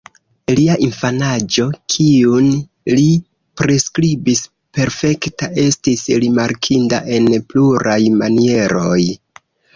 Lia infanaĝo, kiun li priskribis "perfekta", estis rimarkinda en pluraj manieroj.